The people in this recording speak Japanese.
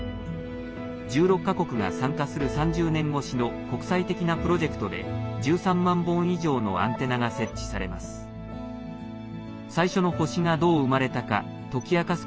１６か国が参加する３０年越しの国際的なプロジェクトで１３万本以上のアンテナが設置されます。